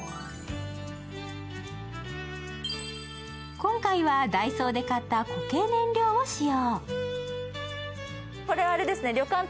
今回はダイソーで買った固形燃料を使用。